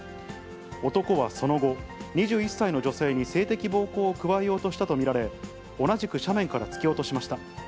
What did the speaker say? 男はその後、２１歳の女性に性的暴行を加えようとしたと見られ、同じく斜面から突き落としました。